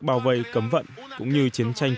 bảo vệ cấm vận cũng như chiến tranh